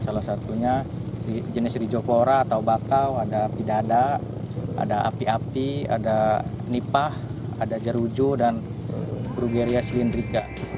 salah satunya jenis rijo cpora atau bakau ada pidada ada api api ada nipah ada jerujo dan brugeria silindrica